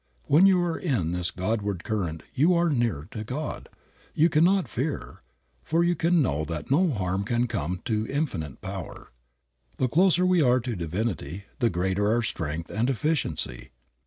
When you are in this Godward current you are "nearer to God," and you cannot fear, for you know that no harm can come to infinite power. The closer we are to divinity, the greater our strength and efficiency.